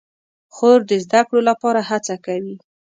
خور د زده کړو لپاره هڅه کوي.